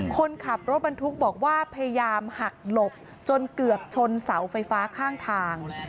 คนขับรถบรรทุกบอกว่าพยายามหักหลบจนเกือบชนเสาไฟฟ้าข้างทาง